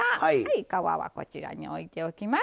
皮はこちらに置いておきます。